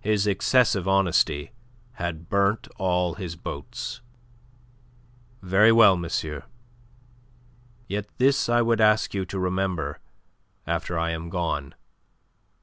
His excessive honesty had burnt all his boats. "Very well, monsieur. Yet this I would ask you to remember after I am gone.